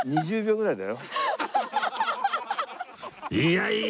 いやいや！